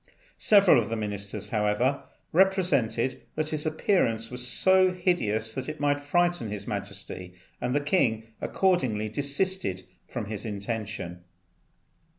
Several of the ministers, however, represented that his appearance was so hideous it might frighten His Majesty, and the king accordingly desisted from his intention.